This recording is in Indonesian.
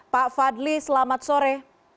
pak fadli selamat sore